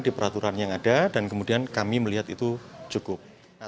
di peraturan yang ada dan kemudian kami melihat itu cukup